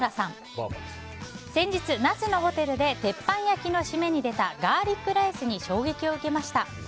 先日、那須のホテルで鉄板焼きの締めに出たガーリックライスに衝撃を受けました。